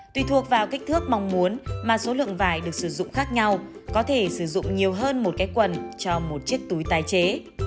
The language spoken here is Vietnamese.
tùy thuộc vào kích thước mong muốn mà số lượng vải được sử dụng khác nhau có thể sử dụng nhiều hơn một cái quần cho một chiếc túi tái chế